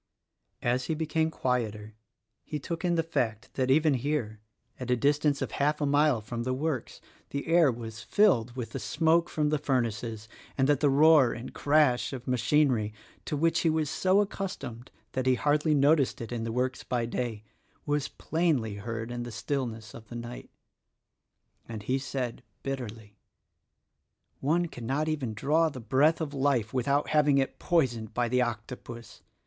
As he became quieter he took in the fact that even here, at a distance of half a 36 THE RECORDING ANGEL 37 mile from the works, the air was filled with the smoke from the furnaces, and that the roar and crash of machin e /^~~i° ,, Was so accu stomed that he hardly noticed it in the works by day— was plainly heard in the stillness of the night And he said, bitterly, "One cannot even draw the breath of life without having it poisoned by the Octo pus.